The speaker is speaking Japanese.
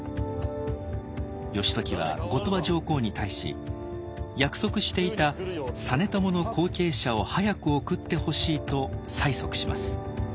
義時は後鳥羽上皇に対し約束していた実朝の後継者を早く送ってほしいと催促します。